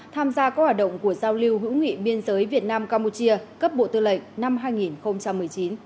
tham gia các hoạt động của giao lưu hữu nghị biên giới việt nam campuchia cấp bộ tư lệnh năm hai nghìn một mươi chín